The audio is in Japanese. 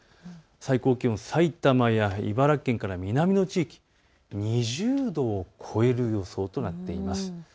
最高気温、埼玉や茨城県から南の地域、２０度を超える予想となっています。